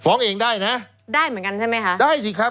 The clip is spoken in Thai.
ฟ้องเองได้นะได้เหมือนกันใช่ไหมคะได้สิครับ